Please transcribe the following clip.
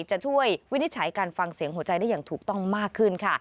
จะช่วยวินิจฉัยการฟังเสียงหัวใจได้อย่างถูกต้องมากขึ้นค่ะ